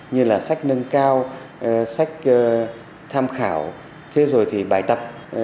như là sách nâng cao sách tham khảo thế rồi thì bài tập